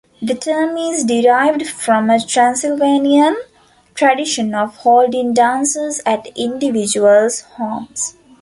The term is derived from a Transylvanian tradition of holding dances at individual's homes.